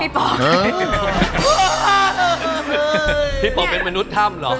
พี่ป๋อเป็นมนุษย์ถ้ำเหรอ